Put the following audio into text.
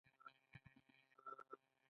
پوست وټامین ډي جوړوي.